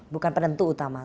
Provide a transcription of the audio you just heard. bukan penentu utama